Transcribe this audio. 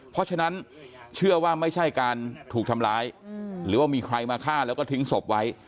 เพราะฉะนั้นเชื่อว่าไม่ใช่การถูกทำร้ายหรือว่ามีใครมาฆ่าแล้วก็ทิ้งศพไว้